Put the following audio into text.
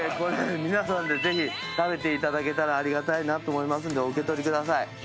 皆さんでぜひ食べていただけたらありがたいなと思いますのでお受取りください。